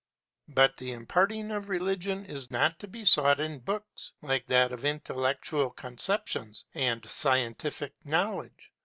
But the imparting of religion is not to be sought in books, like that of intellectual conceptions and scientific knowledge.